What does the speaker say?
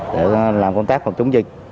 để làm công tác phòng chống dịch